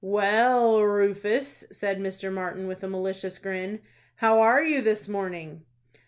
"Well, Rufus," said Mr. Martin, with a malicious grin, "how are you this morning?"